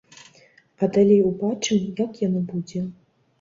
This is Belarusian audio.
А далей убачым, як яно будзе.